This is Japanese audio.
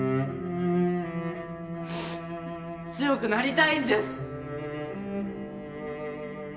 強くなりたいんです。